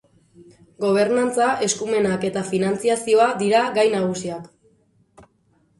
Gobernantza, eskumenak eta finantzazioa dira gai nagusiak.